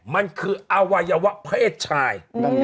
มันคืออวัยวะเพศชาย